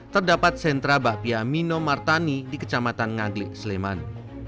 terdapat sentra bahpia mino martani di kecamatan ngaglik sleman